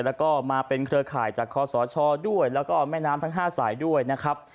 แล้วก็มาเป็นเครือข่ายจากคอสชด้วยแล้วก็แม่น้ำทั้ง๕สายด้วยนะครับ